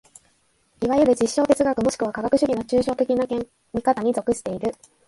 いわゆる実証哲学もしくは科学主義の抽象的な見方に属している。